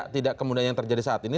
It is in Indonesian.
tidak kemudian yang terjadi saat ini